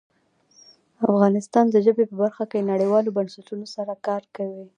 افغانستان د ژبې په برخه کې نړیوالو بنسټونو سره کار کوي.